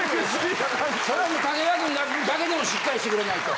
武田君だけでもしっかりしてくれないと。